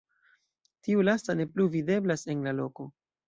Tiu lasta ne plu videblas en la loko.